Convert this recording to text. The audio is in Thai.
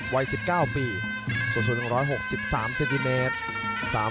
วัย๑๙ปีส่วน๑๖๓เซนติเมตร